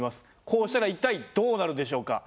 こうしたら一体どうなるでしょうか？